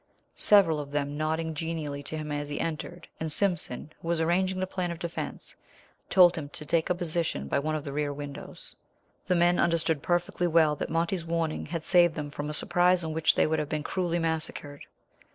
Several of them nodded genially to him as he entered, and Simpson, who was arranging the plan of defence, told him to take a position by one of the rear windows. The men understood perfectly well that Monty's warning had saved them from a surprise in which they would have been cruelly massacred.